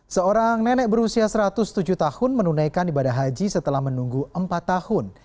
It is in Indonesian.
seorang nenek berusia satu ratus tujuh tahun menunaikan ibadah haji setelah menunggu empat tahun